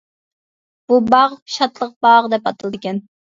بۇ باغ شادلىق باغ دەپ ئاتىلىدىكەن.